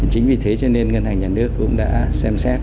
chính vì thế cho nên ngân hàng nhà nước cũng đã xem xét